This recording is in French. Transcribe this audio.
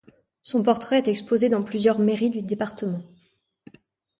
Son portrait est exposé dans plusieurs mairies du département.